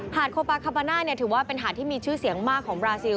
โคปาคาบาน่าถือว่าเป็นหาดที่มีชื่อเสียงมากของบราซิล